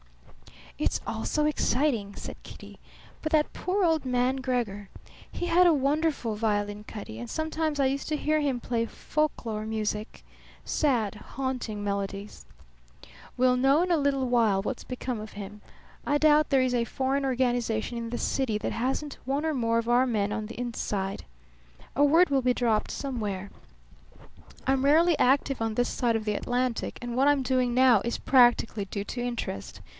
"It's all so exciting!" said Kitty. "But that poor old man Gregor! He had a wonderful violin, Cutty; and sometimes I used to hear him play folklore music sad, haunting melodies." "We'll know in a little while what's become of him. I doubt there is a foreign organization in the city that hasn't one or more of our men on the inside. A word will be dropped somewhere. I'm rarely active on this side of the Atlantic; and what I'm doing now is practically due to interest.